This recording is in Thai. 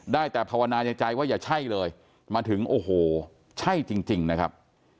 ได้แต่ภาวนาในใจว่าอย่าใช่เลยมาถึงโอ้โหใช่จริงนะครับ